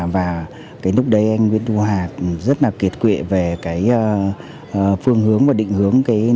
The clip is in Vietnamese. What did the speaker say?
và cái lúc đấy anh nguyễn thu hà rất là kiệt quệ về cái phương hướng và định hướng cái nối sống